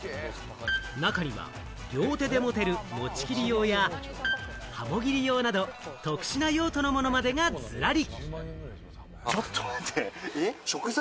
中には両手で持てるもち切り用や、はも切り用など、特殊な用途のものまでがズラリ。